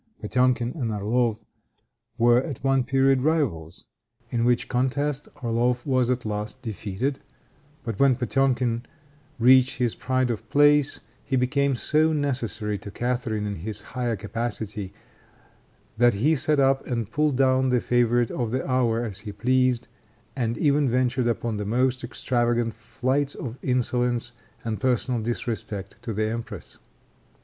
Potemkin and Orloff were at one period rivals, in which contest Orloff was at last defeated; but when Potemkin reached his pride of place, he became so necessary to Catharine in his higher capacity that he set up and pulled down the favorite of the hour as he pleased, and even ventured upon the most extravagant flights of insolence and personal disrespect to the empress.